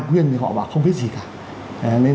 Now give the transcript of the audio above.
khuyên thì họ bảo không biết gì cả nên